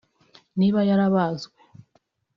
niba yarabazwe